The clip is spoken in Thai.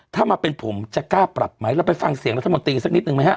ถ้ามาเป็นผมจะกล้าปรับไหมเราไปฟังเสียงรัฐมนตรีสักนิดนึงไหมฮะ